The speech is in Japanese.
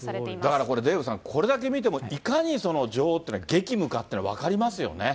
だからこれ、デーブさん、これだけ見ても、いかに女王っていうのは激務かっていうの分かりますよね。